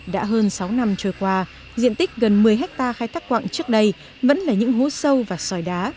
đã hơn sáu năm trôi qua diện tích gần một mươi hectare khai thác quạng trước đây vẫn là những hố sâu và sòi đá